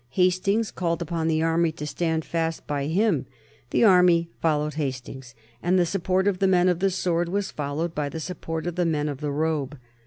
Hastings called upon the army to stand fast by him. The army followed Hastings, and the support of the men of the sword was followed by the support of the men of the robe.